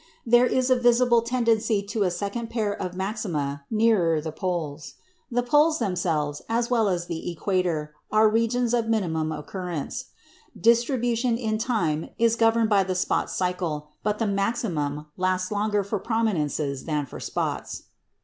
There is a visible tendency to a second pair of maxima nearer the poles. The poles themselves, as well as the equator, are regions of minimum occurrence. Distribution in time is governed by the spot cycle, but the maximum lasts longer for prominences than for spots.